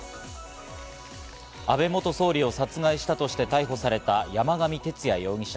安倍元総理を殺害したとして逮捕された山上徹也容疑者。